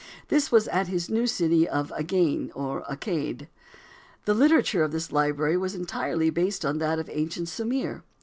This was at his new city of Agane, or Agade. The literature of this library was entirely based on that of ancient Sumir.